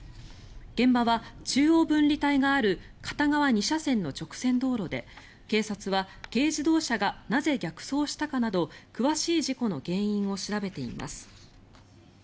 現場は中央分離帯がある片側２車線の直線道路で警察は軽自動車がなぜ逆走したかなど詳しい事故の原因を調べています。